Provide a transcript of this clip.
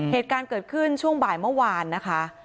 เหตุการณ์เกิดขึ้นช่วงบ่ายเมื่อวานนะคะ